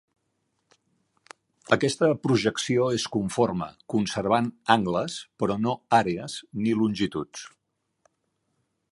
Aquesta projecció és conforme, conservant angles però no àrees ni longituds.